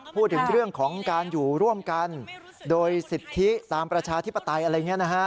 พูดถึงเรื่องของการอยู่ร่วมกันโดยสิทธิตามประชาธิปไตยอะไรอย่างนี้นะฮะ